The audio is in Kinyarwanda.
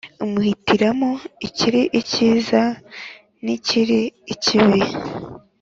imuhitiramo ikiri icyiza n ikiri ikibi